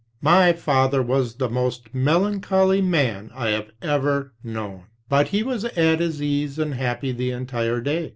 "My father was the most melancholy man I have ever known. But he was at his ease and happy the entire day.